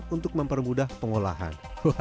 untuk mempermudah pengolahan